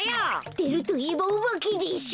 でるといえばおばけでしょ。